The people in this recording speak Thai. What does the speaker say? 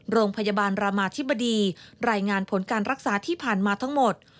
โรงพยาบาลรามาธิบดีรายงานผลการรักษาที่ผ่านมาทั้งหมด